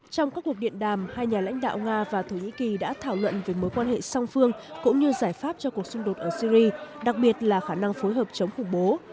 trong các cuộc điện đàm hai nhà lãnh đạo nga và thổ nhĩ kỳ đã thảo luận về mối quan hệ song phương cũng như giải pháp cho cuộc xung đột ở syri đặc biệt là khả năng phối hợp chống khủng bố